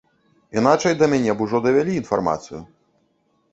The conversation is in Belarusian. Іначай да мяне б ужо давялі інфармацыю.